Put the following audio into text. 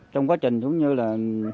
trong quá trình giống như là